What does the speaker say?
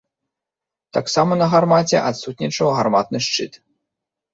Таксама на гармаце адсутнічаў гарматны шчыт.